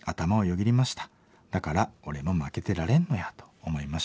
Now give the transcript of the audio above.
だから俺も負けてられんのやと思いました。